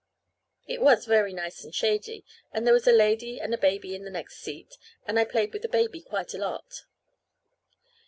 It was very nice and shady, and there was a lady and a baby in the next seat, and I played with the baby quite a lot.